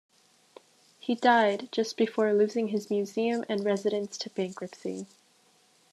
He died just before losing his museum and residence to bankruptcy.